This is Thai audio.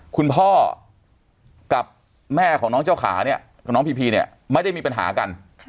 คุณพ่อกับแม่ของน้องเจ้าขาเนี่ยกับน้องพีพีเนี่ยไม่ได้มีปัญหากัน